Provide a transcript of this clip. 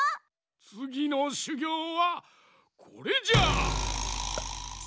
つぎのしゅぎょうはこれじゃ！